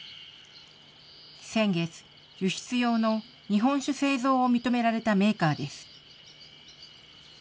先月、輸出用の日本酒製造を認められたメーカーです。